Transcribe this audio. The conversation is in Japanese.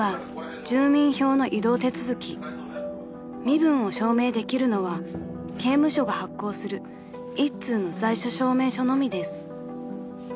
［身分を証明できるのは刑務所が発行する一通の在所証明書のみです］